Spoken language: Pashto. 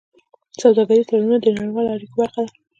سوداګریز تړونونه د نړیوالو اړیکو برخه ده.